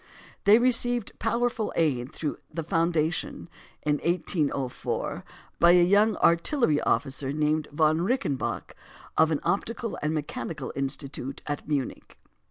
They received powerful aid through the foundation, in 1804, by a young artillery officer named Von Reichenbach, of an Optical and Mechanical Institute at Munich.